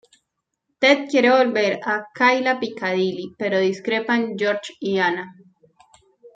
Ted quiere volver a Kayla Piccadilly, pero discrepan George y Anna.